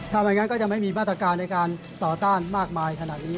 ถ้าไม่งั้นก็จะไม่มีมาตรการในการต่อต้านมากมายขนาดนี้